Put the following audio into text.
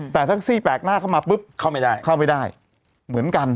แต่แท็กซี่แปลกหน้าเข้ามาปุ๊บเข้าไม่ได้เข้าไม่ได้เหมือนกัน